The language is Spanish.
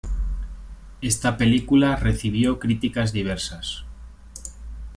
Esta película recibió críticas diversas.